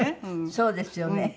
そうですよね。